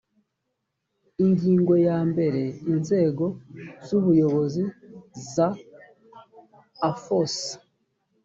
ingingo ya mbere inzego z ubuyobozi za afos